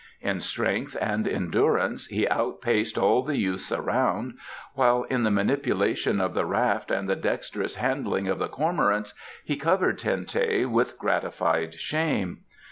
In strength and endurance he outpaced all the youths around, while in the manipulation of the raft and the dexterous handling of the cormorants he covered Ten teh with gratified shame.